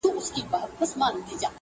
په بل کلي کي د دې سړي یو یار وو,